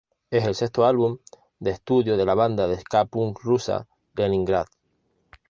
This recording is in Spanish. Es el sexto álbum de estudio de la banda de ska punk rusa, Leningrad.